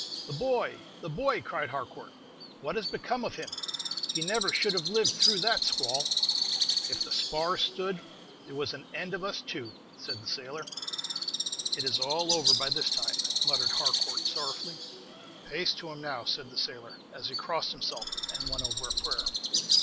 "The boy! the boy!" cried Harcourt; "what has become of him? He never could have lived through that squall." "If the spar stood, there was an end of us, too," said the sailor; "she'd have gone down by the stern, as sure as my name is Peter." "It is all over by this time," muttered Harcourt, sorrowfully. "Pace to him now!" said the sailor, as he crossed himself, and went over a prayer.